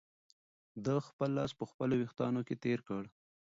ده خپل لاس په خپلو وېښتانو کې تېر کړ.